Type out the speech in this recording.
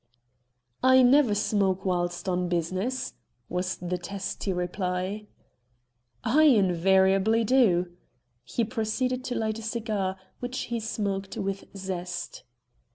"I never smoke whilst on business," was the testy reply. "I invariably do." He proceeded to light a cigar, which he smoked with zest.